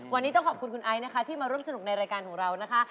วันนี้ต้องขอบคุณคุณไอซ์นะคะที่มาร่วมสนุกในรายการของเรานะคะ